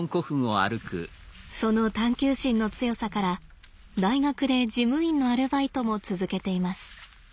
その探究心の強さから大学で事務員のアルバイトも続けています。